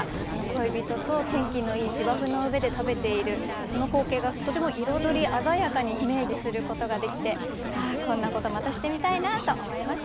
恋人と天気のいい芝生の上で食べているその光景がとても彩り鮮やかにイメージすることができてこんなことまたしてみたいなと思いました。